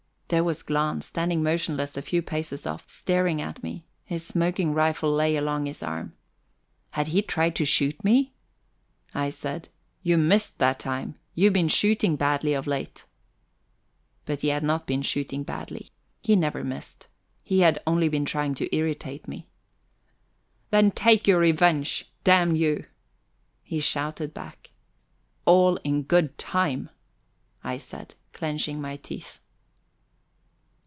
There was Glahn standing motionless a few paces off, staring at me; his smoking rifle lay along his arm. Had he tried to shoot me? I said: "You missed that time. You've been shooting badly of late." But he had not been shooting badly. He never missed. He had only been trying to irritate me. "Then take your revenge, damn you!" he shouted back. "All in good time," I said, clenching my teeth.